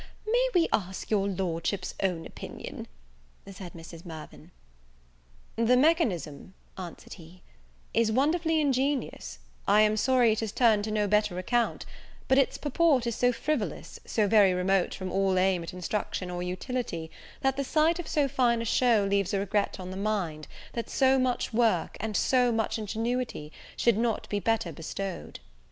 "May we ask your Lordship's own opinion?" said Mrs. Mirvan. "The mechanism," answered he, "is wonderfully ingenioous: I am sorry it is turned to no better account; but its purport is so frivolous, so very remote from all aim at instruction or utility, that the sight of so fine a show leaves a regret on the mind, that so much work, and so much ingenuity, should not be better bestowed."